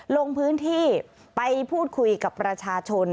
ลงพื้นที่ไปพูดคุยกับประชาชน